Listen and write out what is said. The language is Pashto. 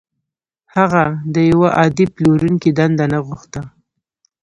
هغه د يوه عادي پلورونکي دنده نه غوښته.